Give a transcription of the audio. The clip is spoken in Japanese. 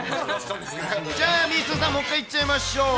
じゃあ、みーすーさん、もう一回いっちゃいましょう。